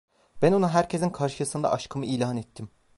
Ben ona herkesin karşısında aşkımı ilan ettim.